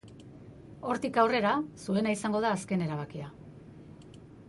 Hortik aurrera, zuena izango da azken erabakia.